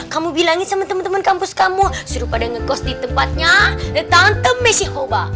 kamu bilangin sama temen temen kampus kamu suruh pada ngekos di tempatnya tante meshihoba